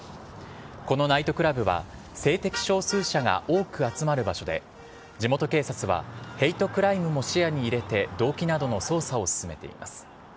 このナイトクラブは、性的少数者が多く集まる場所で、地元警察は、ヘイトクライムも視野に入れて、動機などの捜査を進めています。